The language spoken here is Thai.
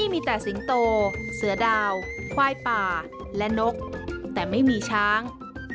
มีคว้ายป่าและนกแต่ไม่มีช้าง